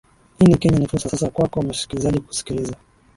ini kenya ni fursa sasa kwako mshikilizaji kusikiliza